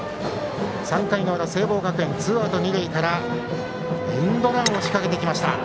３回の裏、聖望学園ツーアウト、二塁からエンドランを仕掛けてきました。